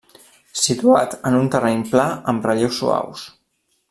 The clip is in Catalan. Situat en un terreny pla amb relleus suaus.